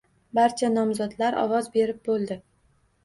Barcha nomzodlar ovoz berib bo‘ldi